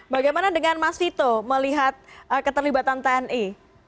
bagaimana dengan mas vito melihat keterlibatan tni